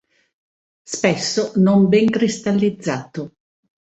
Spesso non ben cristallizzato.